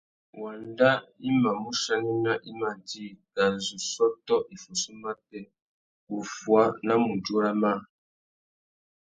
Wanda i mà mù chanena i mà djï kā zu sôtô iffussú matê, wuffuá na mudjúra mâā.